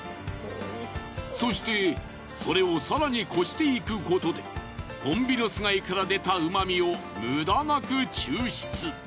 そしてそれを更にこしていくことでホンビノス貝から出たうまみを無駄なく抽出。